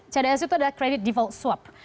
cds itu adalah credit default swap